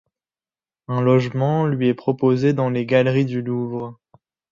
Un logement lui est proposé dans les galeries du Louvre.